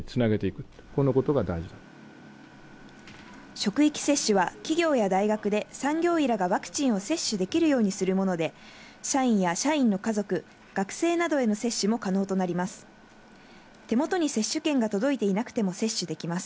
職域接種は企業や大学で産業医らがワクチンを接種できるようにするもので、社員や社員の家族、学生などへの接種も可能となります。